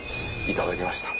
いただきました。